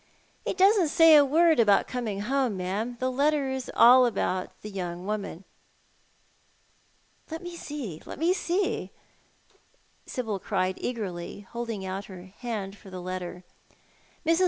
"He doesn't say a word about coming home, ma'am. The letter is all about the young woman." " Let me see, let me see," Sibyl cried eagerly, holding out her hand for the letter. Mrs.